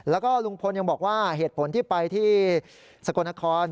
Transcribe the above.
แล้วก็ลุงพลยังบอกว่าเหตุผลที่ไปที่สกลนคร